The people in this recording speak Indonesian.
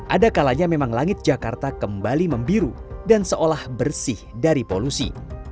ada kalanya memang langit jakarta kembali membiru dan seolah bersih dari polusi